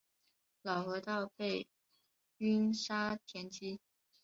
老河道被淤沙填积。